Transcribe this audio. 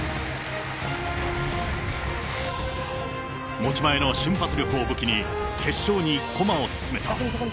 持ち前の瞬発力を武器に、決勝に駒を進めた。